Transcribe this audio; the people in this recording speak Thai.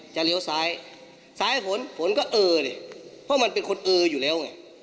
เลี้ยวซ้ายซ้ายผลผลก็เออเนี่ยเพราะมันเป็นคนเอออยู่แล้วไง